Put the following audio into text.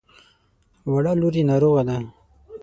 وړه لور يې ناروغه ده.